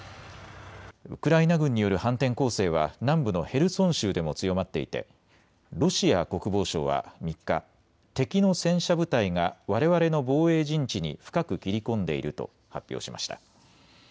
ウクライナ軍による反転攻勢は南部のヘルソン州でも強まっていてロシア国防省は３日、敵の戦車部隊がわれわれの防衛陣地に深く切り込んでいると発表しました。